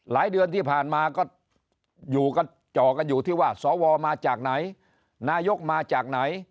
หลายเดือนที่ผ่านมาก็จอกันอยู่ที่ว่าสวมาจากไหนนายกมาจากไหน